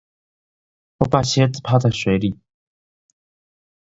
我把鞋子泡在水裡